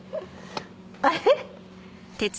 あれ？